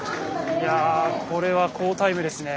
これは好タイムですね。